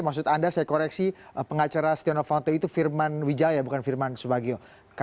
maksud anda saya koreksi pengacara setia novanto itu firman wijaya bukan firman subagio